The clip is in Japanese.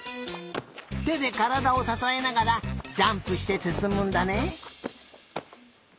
てでからだをささえながらジャンプしてすすむんだね！